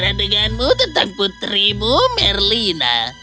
saya ingin berbicara denganmu tentang putrimu merlina